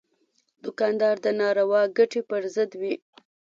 دوکاندار د ناروا ګټې پر ضد وي.